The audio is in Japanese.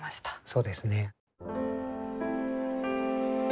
そうですね。